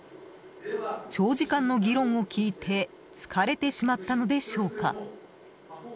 長時間の議論を聞いて疲れてしまったのでしょうか。